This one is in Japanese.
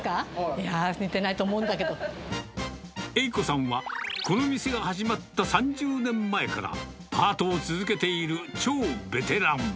いやぁ、栄子さんは、この店が始まった３０年前から、パートを続けている超ベテラン。